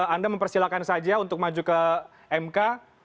anda mempersilahkan saja untuk maju ke mk